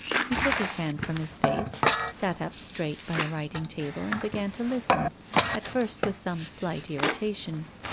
He took his hand from his face, sat up straight by the writing table and began to listen, at first with some slight irritation.